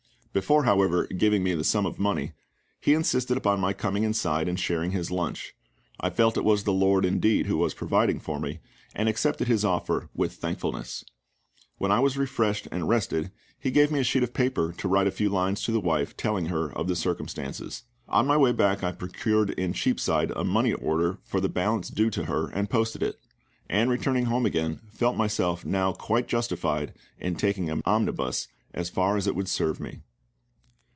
Before, however, giving me the sum of money, he insisted upon my coming inside and sharing his lunch. I felt it was the LORD indeed who was providing for me, and accepted his offer with thankfulness. When I was refreshed and rested, he gave me a sheet of paper to write a few lines to the wife, telling her of the circumstances. On my way back I procured in Cheapside a money order for the balance due to her, and posted it; and returning home again, felt myself now quite justified in taking an omnibus as far as it would serve me.